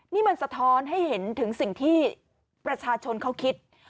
นี่มันสะท้อนให้เห็นถึงสิ่งที่ประชาชนเขาคิด